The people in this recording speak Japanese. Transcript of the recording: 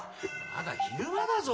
まだ昼間だぞ。